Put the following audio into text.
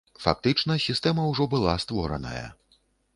Фактычна, сістэма ўжо была створаная.